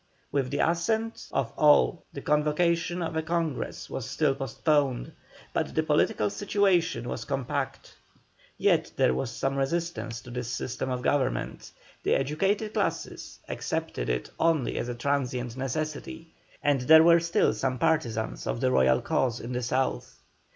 With the assent of all the convocation of a Congress was still postponed, but the political situation was compact. Yet there was some resistance to this system of government: the educated classes accepted it only as a transient necessity, and there were still some partisans of the royal cause in the South.